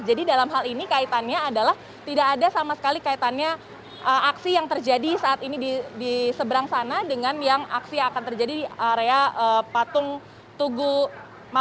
jadi dalam hal ini kaitannya adalah tidak ada sama sekali kaitannya aksi yang terjadi saat ini di seberang sana dengan yang aksi yang akan terjadi di sana